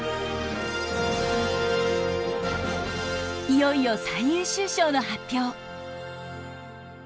いよいよ最優秀賞の発表。